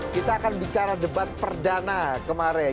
kita akan bicara debat perdana kemarin